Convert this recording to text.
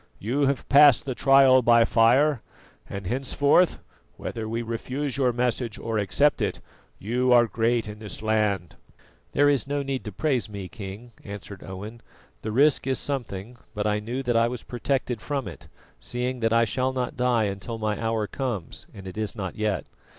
You have passed the trial by fire, and henceforth, whether we refuse your message or accept it, you are great in this land." "There is no need to praise me, King," answered Owen. "The risk is something; but I knew that I was protected from it, seeing that I shall not die until my hour comes, and it is not yet.